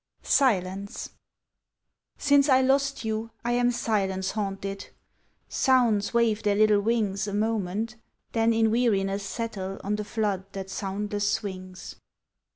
SILENCE SINCE I lost you I am silence haunted, Sounds wave their little wings A moment, then in weariness settle On the flood that soundless swings.